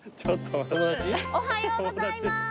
おはようございまーす。